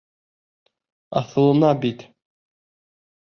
Аҫылына бит!